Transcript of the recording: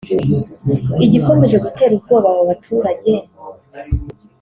Igikomeje gutera ubwoba aba baturage